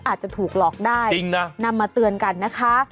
อาจจะถูกหลอกได้จริงนะนำมาเตือนกันนะคะ